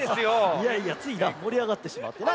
いやいやついもりあがってしまってな。